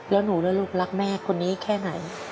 แล้วหนูนะลูกรักแม่คนนี้แค่ไหน